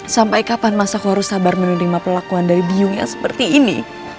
sampai kapan masa aku harus sabar menerima pelakuan dari biung yang seperti ini